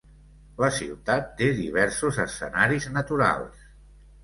La ciutat té diversos escenaris naturals.